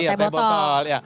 iya teh botol